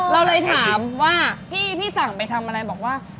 เราเลยถามว่าพี่สั่งไปทำอะไรบอกว่า